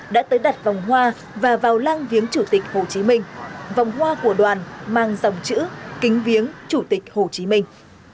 đã tới đặt vòng hoa và vào lang viếng chủ tịch hồ chí minh vòng hoa của đoàn mang dòng chữ kính viếng chủ tịch hồ chí minh